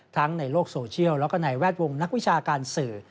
ในโลกโซเชียลแล้วก็ในแวดวงนักวิชาการสื่อ